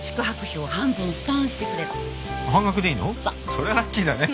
それはラッキーだね。